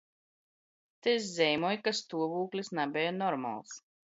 Tys zeimoj, ka stuovūklis nabeja normals.